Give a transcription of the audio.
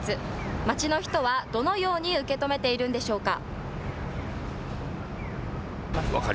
街の人はどのように受け止めているんでしょうか。